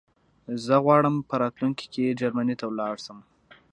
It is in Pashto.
زه غواړم چې په راتلونکي کې جرمنی ته لاړ شم